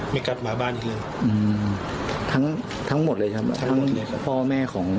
ไม่กลับมาบ้านอีกเลยอืมทั้งทั้งหมดเลยครับทั้งพ่อแม่ของ